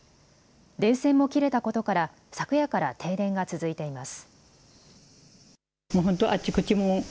電線も切れたことから昨夜から停電が続いています。